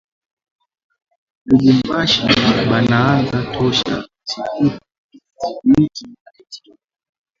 Lubumbashi banaanza tosha bisikuiti ya extra